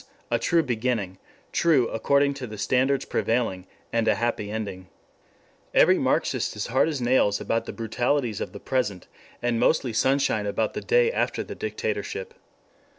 A true beginning, true according to the standards prevailing, and a happy ending. Every Marxist is hard as nails about the brutalities of the present, and mostly sunshine about the day after the dictatorship.